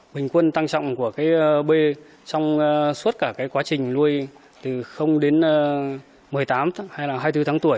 bình quân tăng trọng của cái b trong suốt cả cái quá trình nuôi từ đến một mươi tám hay là hai mươi bốn tháng tuổi